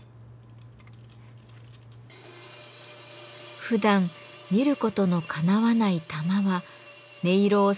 ふだん見ることのかなわない玉は音色を左右する鈴の要。